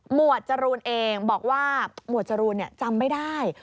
วดจรูนเองบอกว่าหมวดจรูนจำไม่ได้